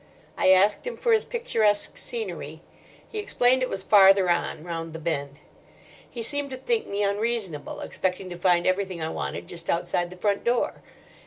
I asked him for his picturesque scenery. He explained it was farther on, round the bend. He seemed to think me unreasonable, expecting to find everything I wanted just outside the front door.